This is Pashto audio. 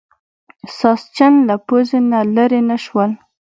ساسچن له پوزې نه لرې نه شول.